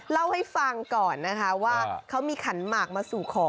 เล่าให้ฟังก่อนนะคะว่าเขามีขันหมากมาสู่ขอ